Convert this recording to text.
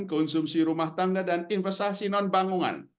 konsumsi rumah tangga dan investasi non bangunan